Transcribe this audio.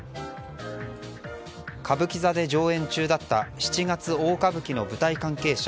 歌舞伎座で上演中だった「七月大歌舞伎」の舞台関係者